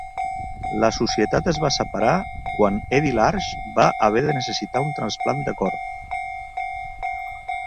La societat es va separar quan Eddie Large va haver de necessitar un trasplant de cor.